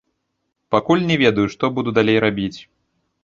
Пакуль не ведаю, што буду далей рабіць.